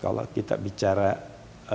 kalau kita bicara ya